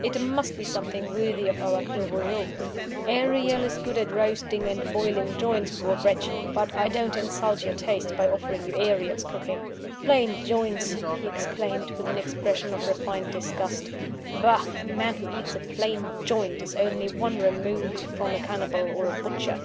"It must be something worthy of our Clos Vougeot. Ariel is good at roasting and boiling joints, poor wretch! but I don't insult your taste by offering you Ariel's cookery. Plain joints!" he exclaimed, with an expression of refined disgust. "Bah! A man who eats a plain joint is only one remove from a cannibal or a butcher.